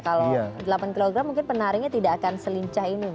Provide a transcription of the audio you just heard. kalau delapan kg mungkin penarinya tidak akan selincah ini